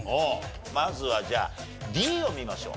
まずはじゃあＤを見ましょう。